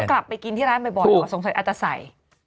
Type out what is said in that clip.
คนก็กลับไปกินที่ร้านมาบ่อบอลหรอกสงสัยอาจจะใส่